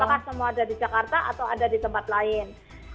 apakah semua ada di jakarta atau ada di tempat lain